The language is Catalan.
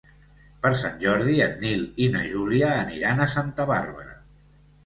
Per Sant Jordi en Nil i na Júlia aniran a Santa Bàrbara.